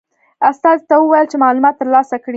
استازي ته وویل چې معلومات ترلاسه کړي.